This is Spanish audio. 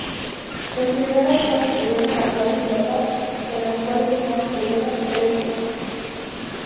Las primeras constituyeron la clase Lealtad, de las cuales se construyeron tres buques.